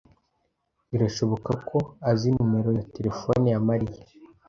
Birashoboka ko azi numero ya terefone ya Mariya.